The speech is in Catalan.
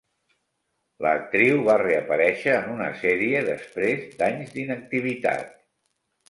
L'actriu va reaparèixer en una sèrie després d'anys d'inactivitat.